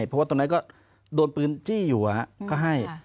เพราะว่าตรงนั้นก็โดนปืนจี้อยู่ก็ให้